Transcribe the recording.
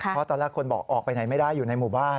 เพราะตอนแรกคนบอกออกไปไหนไม่ได้อยู่ในหมู่บ้าน